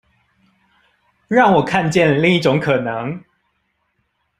讓我看見另一種可能